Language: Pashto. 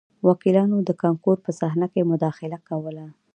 وکیلانو د کانکور په صحنه کې مداخله کوله